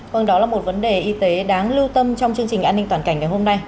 vâng đó là một vấn đề y tế đáng lưu tâm trong chương trình an ninh toàn cảnh ngày hôm nay